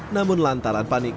namun lantaran panik